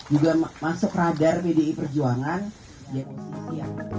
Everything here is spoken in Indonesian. juga masuk radar bdi perjuangan